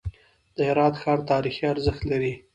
د هرات ښار تاریخي ارزښت لري.